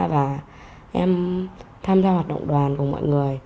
và em tham gia hoạt động đoàn cùng mọi người